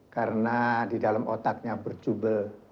karena di dalam otaknya berjubel